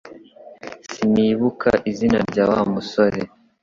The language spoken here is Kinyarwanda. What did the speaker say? Sinibuka izina rya Wa musore